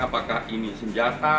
apakah ini senjata